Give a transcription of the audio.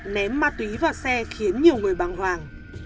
ném ma túy vào xe khiến nhiều người băng hoàng